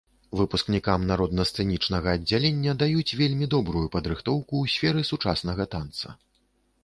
Выпускнікам народна-сцэнічнага аддзялення даюць вельмі добрую падрыхтоўку ў сферы сучаснага танца.